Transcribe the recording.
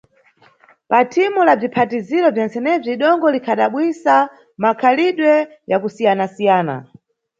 Pa thimu la bziphatiziro bzentsenebzi dongo likhadabwisa mmakhalidwe ya kusiyana-siyana.